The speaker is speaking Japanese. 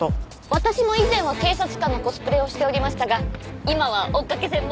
私も以前は警察官のコスプレをしておりましたが今は追っかけ専門。